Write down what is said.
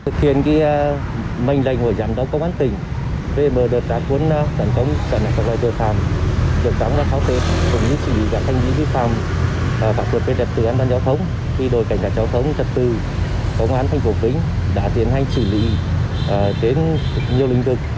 cảnh giáo chống trật tự công an thành phố vĩnh đã tiến hành xử lý đến nhiều lĩnh vực